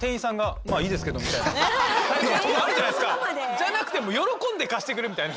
じゃなくて喜んで貸してくれるみたいな。